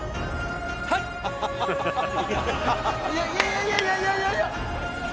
いやいやいやいや！